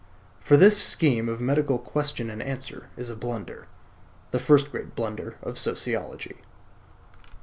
For this scheme of medical question and answer is a blunder; the first great blunder of sociology.